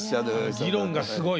議論がすごい。